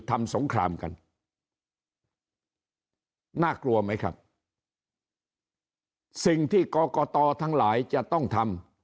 สงครามกันน่ากลัวไหมครับสิ่งที่กรกตทั้งหลายจะต้องทำ